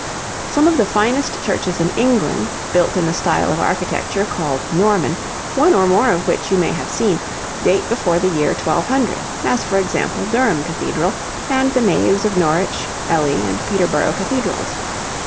Some of the finest churches in England, built in the style of architecture called 'Norman,' one or more of which you may have seen, date before the year 1200, as for example, Durham Cathedral, and the naves of Norwich, Ely, and Peterborough Cathedrals.